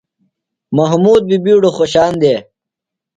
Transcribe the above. محمود بی ِبیڈوۡ خوۡشان دےۡ۔